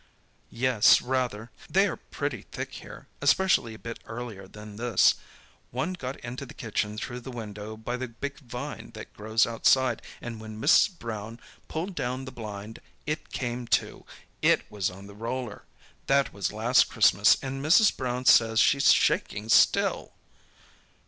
"Yes, rather. They are pretty thick here, especially a bit earlier than this. One got into the kitchen through the window, by the big vine that grows outside, and when Mrs. Brown pulled down the blind it came, too—it was on the roller. That was last Christmas, and Mrs. Brown says she's shaking still!"